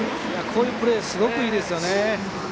こういうプレーはすごくいいですね。